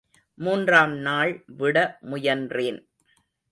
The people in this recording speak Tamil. மூன்றாம் நாள் விட முயன்றேன்.